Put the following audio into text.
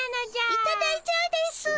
いただいちゃうですぅ。